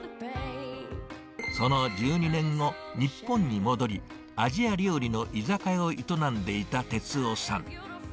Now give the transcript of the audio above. その１２年後、日本に戻り、アジア料理の居酒屋を営んでいた哲夫さん。